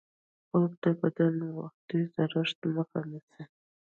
خوب د بدن وختي زړښت مخه نیسي